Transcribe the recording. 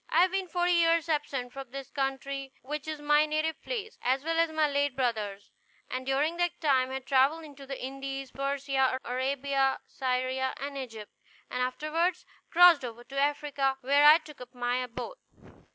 I have been forty years absent from this country, which is my native place, as well as my late brother's; and during that time have travelled into the Indies, Persia, Arabia, Syria, and Egypt, and afterward crossed over into Africa, where I took up my abode.